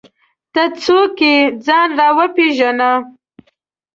ته څوک یې ؟ ځان راوپېژنه!